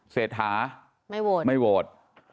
เศรษฐาไม่โหวต